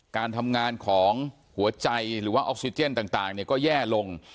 การทำงานของหัวใจหรือว่าออกซิเจนต่างก็แย่ลง